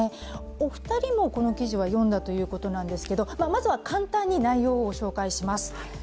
お二人もこの記事は読んだということなんですけどまずは簡単に内容をご紹介します。